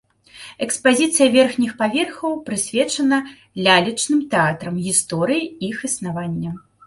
Экспазіцыя верхніх паверхаў прысвечана лялечным тэатрам, гісторыі іх існавання.